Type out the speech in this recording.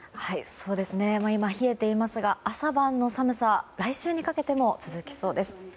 今、冷えていますが朝晩の寒さは来週にかけても続きそうです。